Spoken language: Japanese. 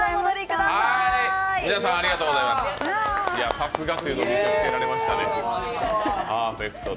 さすがというのを見せつけられましたね。